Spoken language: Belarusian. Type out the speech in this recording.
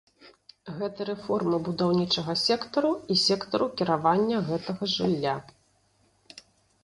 Гэта рэформа будаўнічага сектару і сектару кіравання гэтага жылля.